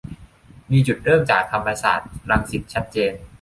มีจุดเริ่มจากธรรมศาสตร์รังสิตชัดเจน